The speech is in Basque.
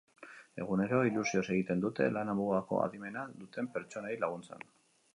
Egunero, ilusioz egiten dute lana mugako adimena duten pertsonei laguntzen.